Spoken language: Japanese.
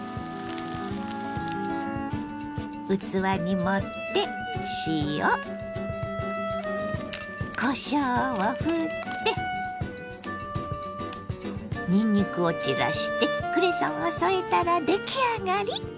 器に盛って塩こしょうをふってにんにくを散らしてクレソンを添えたら出来上がり！